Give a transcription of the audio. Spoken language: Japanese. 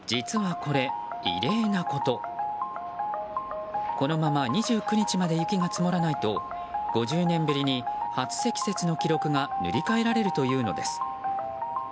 このまま２９日まで雪が積もらないと５０年ぶりに初積雪の記録が塗り替えられるというのです。